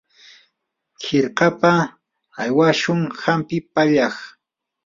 hirkapa aywashun hampi pallaq.